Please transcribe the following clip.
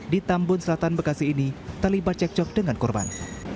di tambun selatan bekasi ini terlibat cekcok dengan korban